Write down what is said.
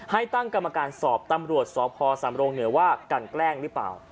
ให้ตั้งกรรมการสอบตำรวจสพสำรงเหนือว่ากันแกล้งหรือเปล่า